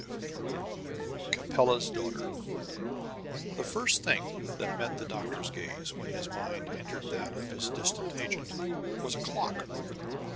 V CAPELLA'S DAUGHTER The first thing that met the doctor's gaze, when his mind entered that of his distant agent, was a clock.